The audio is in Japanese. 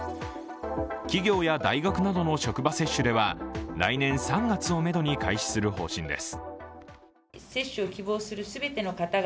企業や大学などの職場接種では来年３月をめどに開始する方針です。